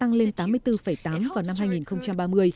ngân hàng não sẽ tăng lên tám mươi bốn tám vào năm hai nghìn ba mươi